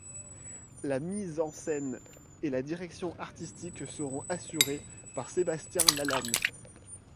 La mise en scène et la direction artistique seront assurées par Sébastien Lalanne.